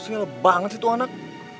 sosial banget sih itu anak